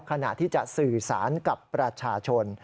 ขณะที่จะสื่อสารกับประชาชน